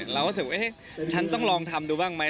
เรารู้สึกว่าฉันต้องลองทำดูบ้างไหม